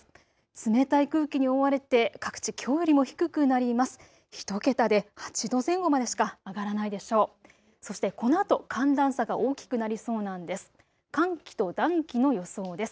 冷たい空気に覆われて各地、きょうよりも低くなります。